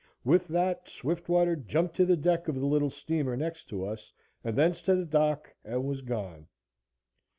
With that Swiftwater jumped to the deck of the little steamer next to us and thence to the dock and was gone.